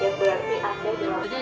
yang berarti ada di rumah